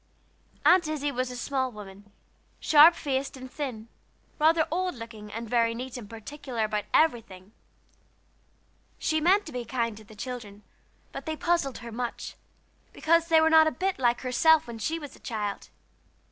Aunt Izzie was a small woman, sharp faced and thin, rather old looking, and very neat and particular about everything. She meant to be kind to the children, but they puzzled her much, because they were not a bit like herself when she was a child.